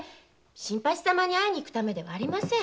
新八様に会いに行くためではありません。